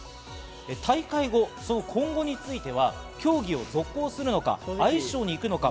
大会後、その今後については競技を続行するのか、アイスショーに行くのか